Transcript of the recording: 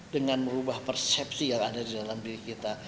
dengan merubah persepsi yang ada di dalam diri kita